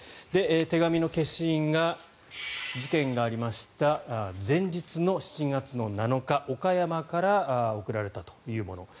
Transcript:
手紙の消印が事件がありました前日の７月７日岡山から送られたというもの。